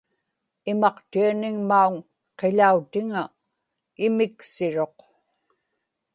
imaqtianigmauŋ qiḷautiŋa imiksiruq